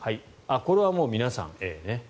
これはもう皆さんＡね。